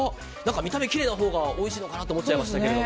見た目きれいなほうがおいしいのかなと思っちゃいますけど。